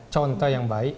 contoh yang baik